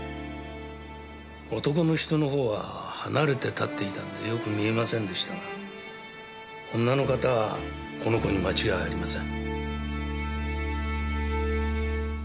男の人の方は離れて立っていたのでよく見えませんでしたが女の方はこの子に間違いありません。